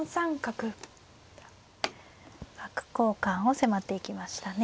角交換を迫っていきましたね。